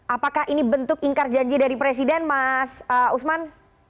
apakah ini bentuk ingkar janji dari presiden mas usman